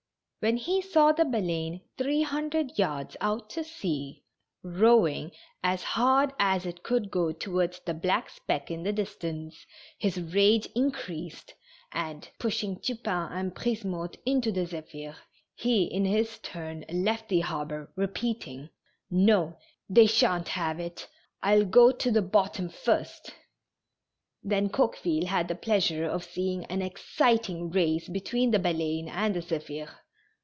When he saw the Baleine three hundred yards out to sea, rowing as hard as it could go towards the black speck in the distance, his rage increased, and, pushing Tupain and Brisemotte into the Zephir^ he in his turn left the harbor, repeating :" No, they shan't have it. I'll go to the bottom first." Then Coqueville had the pleasure of seeing an exci ting race between the Baleine and the Zephir.